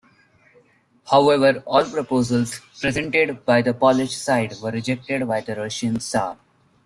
However all proposals presented by the Polish side were rejected by the Russian tsar.